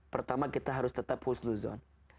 pertama kita harus tetap husnuzon